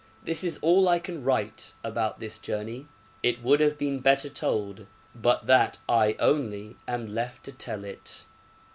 This is all I can write about this journey. It would have been better told, but that I only am left to tell it.